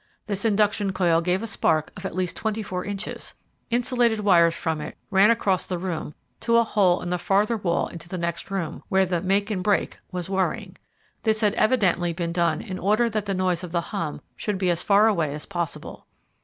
This induction coil gave a spark of at least twenty four inches. Insulated wires from it ran across the room, to a hole in the farther wall into the next room, where the "make and break" was whirring. This had evidently been done in order that the noise of the hum should be as far away as possible.